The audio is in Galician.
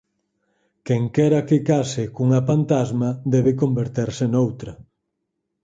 Quenquera que case cunha pantasma debe converterse noutra.